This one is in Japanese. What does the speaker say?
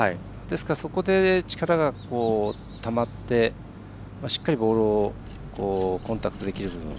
そこで、力がたまってしっかりボールをコンタクトできる。